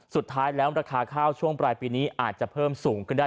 สุดท้ายแล้วราคาข้าวช่วงปลายปีนี้อาจจะเพิ่มสูงขึ้นได้